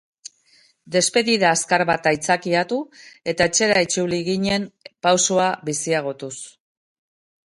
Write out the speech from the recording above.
Despedida azkar bat aitzakiatu, eta etxera itzuli ginen, pausoa biziagotuz.